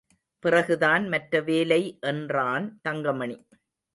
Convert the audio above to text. பிறகுதான் மற்ற வேலை என்றான் தங்கமணி.